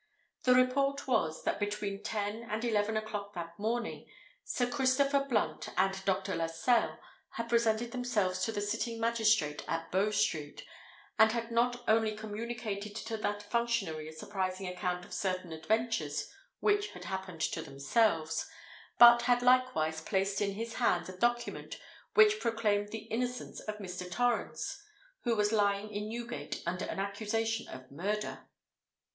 The report was, that between ten and eleven o'clock that morning, Sir Christopher Blunt and Dr. Lascelles had presented themselves to the sitting magistrate at Bow Street, and had not only communicated to that functionary a surprising account of certain adventures which had happened to themselves, but had likewise placed in his hands a document which proclaimed the innocence of Mr. Torrens, who was lying in Newgate under an accusation of murder.